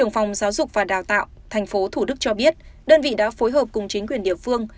phòng giáo dục và đào tạo tp thủ đức cho biết đơn vị đã phối hợp cùng chính quyền địa phương